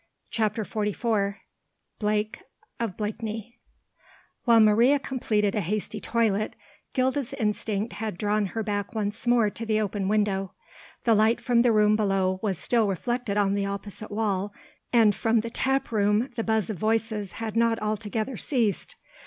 CHAPTER XLIV BLAKE OF BLAKENEY While Maria completed a hasty toilet, Gilda's instinct had drawn her back once more to the open window. The light from the room below was still reflected on the opposite wall, and from the tap room the buzz of voices had not altogether ceased.